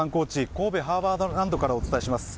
神戸ハーバーランドからお伝えします。